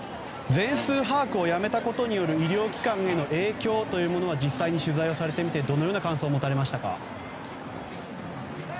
全数把握をやめたことによる医療機関への影響は実際に取材をされてみてどのような感想を持たれましたか？